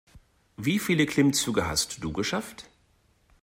Wie viele Klimmzüge hast du geschafft?